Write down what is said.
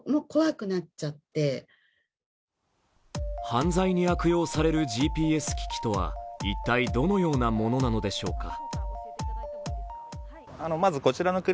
犯罪に悪用されるＧＰＳ機器とは一体どのようなものなのでしょうか。